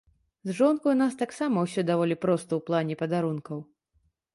З жонкай у нас таксама ўсё даволі проста ў плане падарункаў.